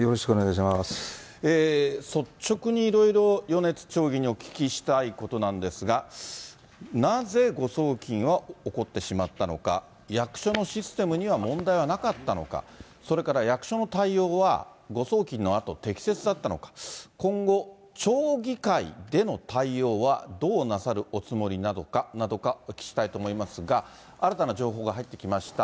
率直にいろいろ、米津町議にお聞きしたいことなんですが、なぜ誤送金は起こってしまったのか、役所のシステムには問題はなかったのか、それから役所の対応は、誤送金のあと、適切だったのか、今後、町議会での対応はどうなさるおつもりなのかなど、お聞きしたいと思いますが、新たな情報が入ってきました。